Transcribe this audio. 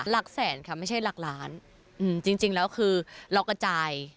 หลักแสนค่ะไม่ใช่หลักล้านจริงแล้วคือเรากระจาย